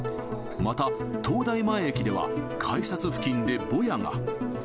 また東大前駅では、改札付近でぼやが。